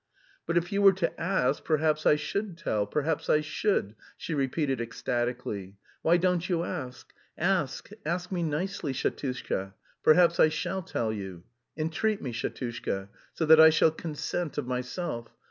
"But if you were to ask perhaps I should tell, perhaps I should!" she repeated ecstatically. "Why don't you ask? Ask, ask me nicely, Shatushka, perhaps I shall tell you. Entreat me, Shatushka, so that I shall consent of myself.